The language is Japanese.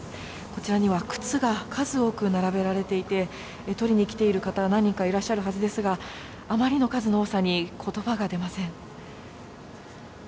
こちらには靴が数多く並べられていて取りに来ている方何人かいらっしゃるはずですがあまりの数の多さに言葉が出ません。